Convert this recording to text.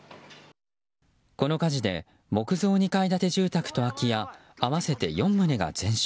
この火事で木造２階建て住宅と空き家合わせて４棟が全焼。